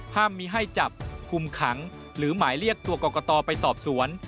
ห้ามมีให้จับคุมขังหรือหมายเรียกตัวกรกตไปสอบสวน